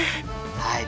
はい。